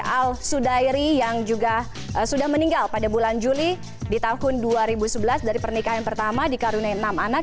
al sudairi yang juga sudah meninggal pada bulan juli di tahun dua ribu sebelas dari pernikahan pertama dikaruniai enam anak